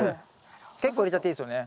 結構入れちゃっていいですよね。